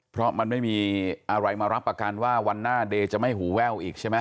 เพราะมันไม่มีอะไรมารับประกันว่าวันหน้าเดย์จะไม่หูแว่วอีกใช่ไหม